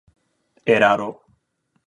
eraro